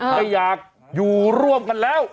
ไม่อยากอยู่ร่วมกันแล้ว